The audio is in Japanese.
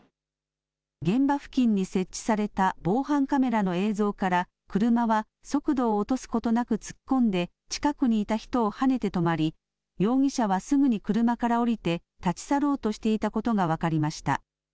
現場付近に設置された防犯カメラの映像から車は速度を落とすことなく突っ込んで近くにいた人をはねて止まり容疑者はすぐに車から降りて立ち去ろうとしていたことが分かりました。